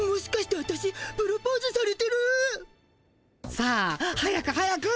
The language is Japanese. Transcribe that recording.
さあ早く早く。